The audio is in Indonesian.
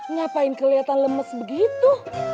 ngapain keliatan lemes begitu